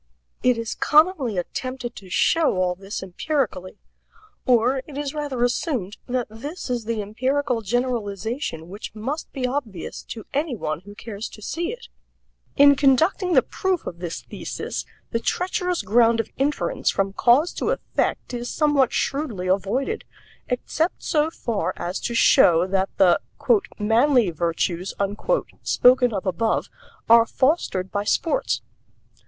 It is commonly attempted to show all this empirically or it is rather assumed that this is the empirical generalization which must be obvious to any one who cares to see it. In conducting the proof of this thesis the treacherous ground of inference from cause to effect is somewhat shrewdly avoided, except so far as to show that the "manly virtues" spoken of above are fostered by sports.